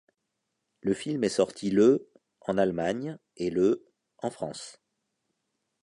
Le film est sorti le en Allemagne et le en France.